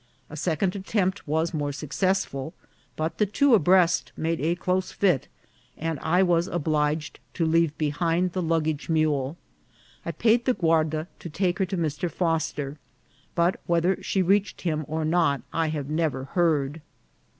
A second attempt was more successful ; but the two abreast made a close fit, and I was obliged to leave behind the luggage mule. I paid the guarda to take her to Mr. Foster, but whether she reached him or not I have never heard.